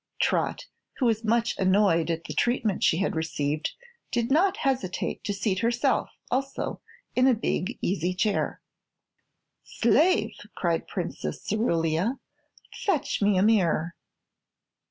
Trot, who was much annoyed at the treatment she had received, did not hesitate to seat herself, also, in a big easy chair. "Slave!" cried Princess Cerulia, "fetch me a mirror."